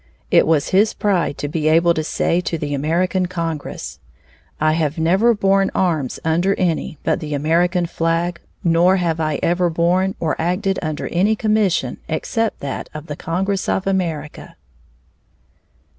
It was his pride to be able to say to the American Congress: "I have never borne arms under any but the American flag, nor have I ever borne or acted under any commission except that of the Congress of America."